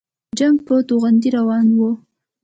جنګ په توندۍ روان وو.